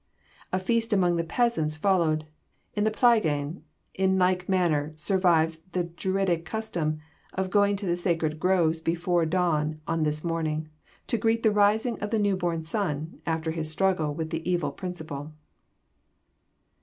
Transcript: A feast among the peasants followed. In the Plygain in like manner survives the Druidic custom of going to the sacred groves before dawn on this morning, to greet the rising of the new born sun after his struggle with the evil principle.